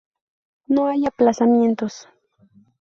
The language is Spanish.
No hay aplazamientos.